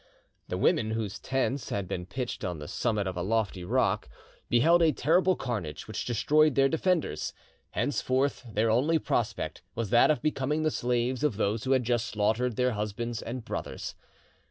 The women, whose tents had been pitched on the summit of a lofty rock, beheld the terrible carnage which destroyed their defenders. Henceforth their only prospect was that of becoming the slaves of those who had just slaughtered their husbands and brothers.